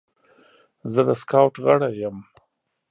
زه د سکاوټ غړی یم.